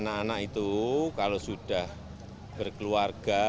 anak anak itu kalau sudah berkeluarga